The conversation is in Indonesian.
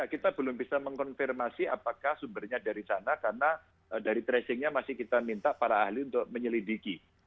kita belum bisa mengkonfirmasi apakah sumbernya dari sana karena dari tracingnya masih kita minta para ahli untuk menyelidiki